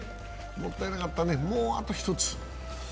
もったいなかったね、もうあと１つ。